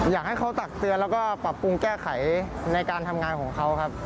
อยากให้เขาตักเตือนแล้วก็ปรับปรุงแก้ไขในการทำงานของเขาครับ